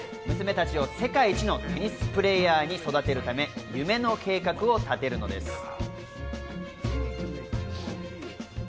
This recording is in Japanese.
娘たちを世界一のテニスプレーヤーに育てるため、夢の計画を立てるのです。